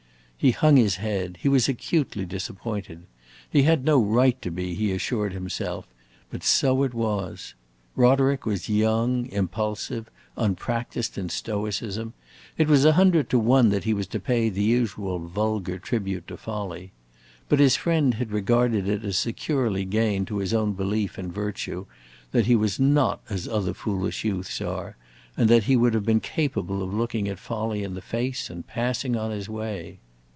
He hung his head; he was acutely disappointed. He had no right to be, he assured himself; but so it was. Roderick was young, impulsive, unpracticed in stoicism; it was a hundred to one that he was to pay the usual vulgar tribute to folly. But his friend had regarded it as securely gained to his own belief in virtue that he was not as other foolish youths are, and that he would have been capable of looking at folly in the face and passing on his way.